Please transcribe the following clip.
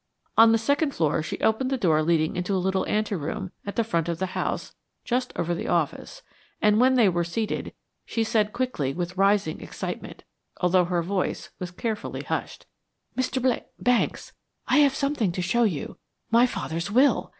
On the second floor she opened the door leading into a little ante room at the front of the house just over the office, and when they were seated, she said quickly, with rising excitement, although her voice was carefully hushed. "Mr. Bl Banks, I have something to show you my father's will!